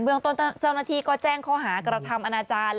เมืองต้นเจ้าหน้าที่ก็แจ้งข้อหากระทำอนาจารย์